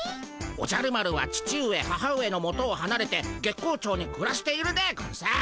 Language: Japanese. おじゃる丸は父上母上のもとをはなれて月光町にくらしているでゴンス。